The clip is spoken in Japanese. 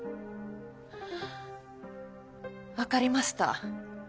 分かりました。